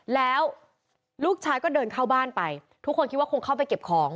แล้วลูกชายก็เดินเข้าบ้านไปทุกคนคิดว่าคงเข้าไปเก็บของ